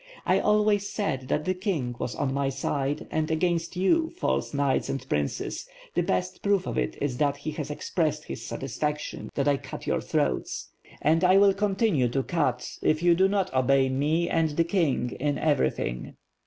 I always said that the king was on my side and against you, false knights and princes; the best proof of it is that he has expressed his satisfaction that I cut your throats. And I will continue to cut, if you do not obey me and the king in everything."